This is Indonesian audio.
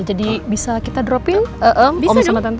jadi bisa kita dropping om sama tante